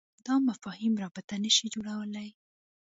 دا مفاهیم رابطه نه شي جوړولای.